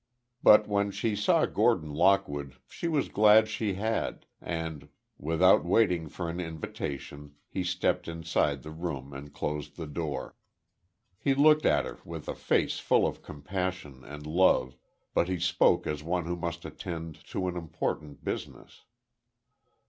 But when she saw Gordon Lockwood she was glad she had, and, without waiting for an invitation he stepped inside the room and closed the door. He looked at her with a face full of compassion and love, but he spoke as one who must attend to an important business.